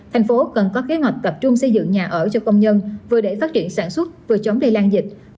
thành phố cần có kế hoạch tập trung xây dựng nhà ở cho công nhân vừa để phát triển sản xuất vừa chống lây lan dịch